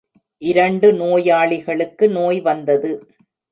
இரண்டு நோயாளிகளுக்கு நோய் வந்தது.